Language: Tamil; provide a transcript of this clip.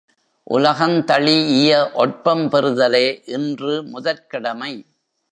உலகந்தழிஇய ஒட்பம் பெறுதலே இன்று முதற்கடமை.